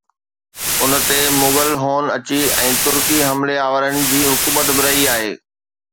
ان تي مغل، هون اڇي ۽ ترڪي حملي آورن جي حڪومت به رهي آهي